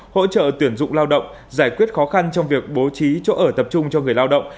hỗ trợ tuyển dụng lao động giải quyết khó khăn trong việc bố trí chỗ ở tập trung cho người lao động